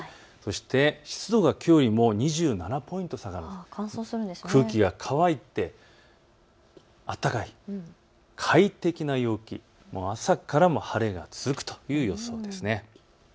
そして湿度がきょうよりも２７ポイント下がる、空気が乾いて暖かい、快適な陽気、朝から晴れが続くという予想です。